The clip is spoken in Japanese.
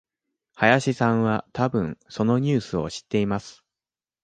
林さんはたぶんそのニュースを知っています。